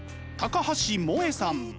橋萌さん！